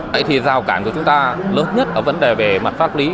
vậy thì rào cản của chúng ta lớn nhất ở vấn đề về mặt pháp lý